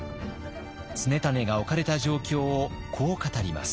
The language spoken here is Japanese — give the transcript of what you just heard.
常胤が置かれた状況をこう語ります。